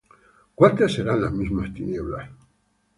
¿cuántas serán las mismas tinieblas?